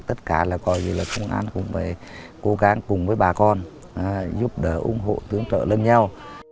tất cả là ngoài công an cũng phải cố gắng cùng bà con luôn giúp đỡ ủng hộ tướng trợ none nhau